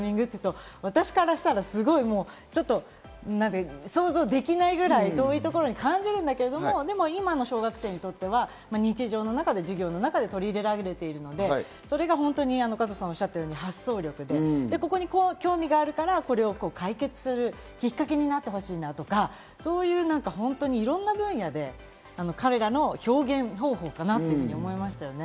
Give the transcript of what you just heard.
小学生でプログラミングっていうと、私からすると想像できないくらい遠いところに感じるんだけれども、でも今の小学生にとっては日常の中で授業の中で取り入れられているので、それが発想力で、そこに興味があるから、それを解決するきっかけになってほしいんだとか、いろんな分野で彼らの表現方法かなって思いましたね。